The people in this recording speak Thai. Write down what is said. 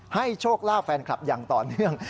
โชคลาภแฟนคลับอย่างต่อเนื่อง